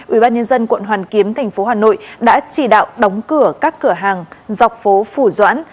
ubnd quận hoàn kiếm tp hà nội đã chỉ đạo đóng cửa các cửa hàng dọc phố phủ doãn